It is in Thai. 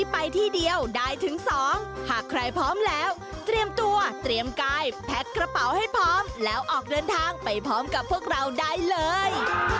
แพ็กกระเป๋าให้พร้อมแล้วออกเดินทางไปพร้อมกับพวกเราได้เลย